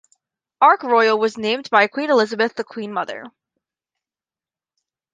Ark Royal was named by Queen Elizabeth The Queen Mother.